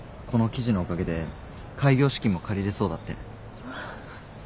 この記事のおかげで開業資金も借りれそうだって。